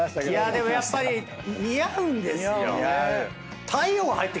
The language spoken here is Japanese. でもやっぱり似合うんですよ。